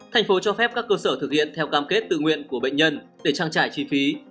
thành phố cho phép các cơ sở thực hiện theo cam kết tự nguyện của bệnh nhân để trang trải chi phí